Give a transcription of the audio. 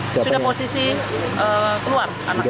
sudah posisi keluar anaknya